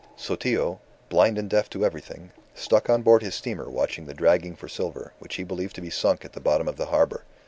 Sotillo, blind and deaf to everything, stuck on board his steamer watching the dragging for silver, which he believed to be sunk at the bottom of the harbour.